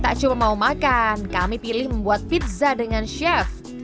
tak cuma mau makan kami pilih membuat pizza dengan chef